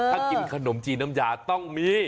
ถ้ากินขนมจีนน้ำยาต้องมี